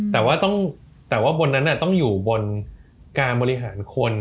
แต่ว่าต้องแต่ว่าบนนั้นต้องอยู่บนการบริหารคน